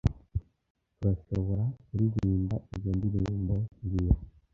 Turashoborakuririmba izoi ndirimbo mbwira